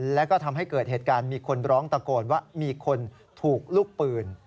แล้วก็ทำให้เกิดเหตุการณ์มีคนร้องตะโกนว่ามีคนถูกลูกปืน